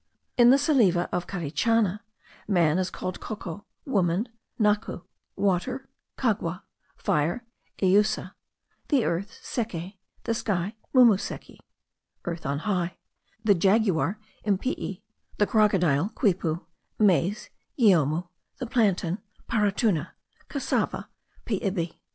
In the Salive of Carichana, man is called cocco; woman, gnacu; water, cagua; fire, eyussa; the earth, seke; the sky, mumeseke (earth on high); the jaguar, impii; the crocodile, cuipoo; maize, giomu; the plantain, paratuna; cassava, peibe.